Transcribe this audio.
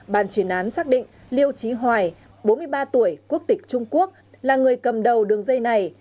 bàn chuyển án xác định liêu trí hoài bốn mươi ba tuổi quốc tịch trung quốc là người cầm đầu đường dây này